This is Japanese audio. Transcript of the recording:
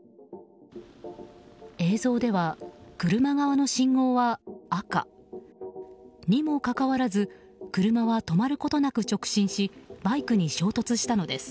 映像では、車側の信号は赤。にもかかわらず車は止まることなく直進しバイクに衝突したのです。